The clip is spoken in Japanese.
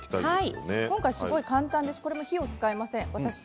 今回、簡単です火を使いません。